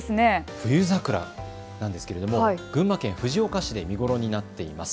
冬桜なんですけど群馬県藤岡市で見頃になっています。